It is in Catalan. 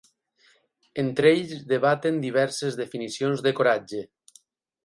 Entre ells debaten diverses definicions de coratge.